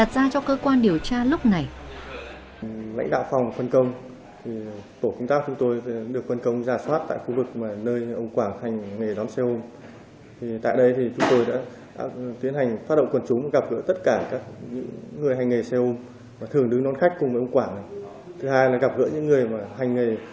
các điều tra viên đã đặt ra cho cơ quan điều tra lúc này